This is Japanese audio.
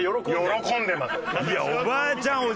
喜んでます。